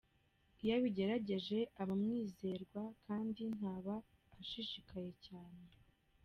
Iyo abigerageje, aba aumwizerwa kandi ntaba ashishikaye cyane.